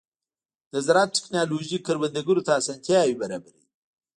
د زراعت ټیکنالوژي کروندګرو ته اسانتیاوې برابروي.